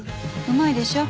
うまいでしょ。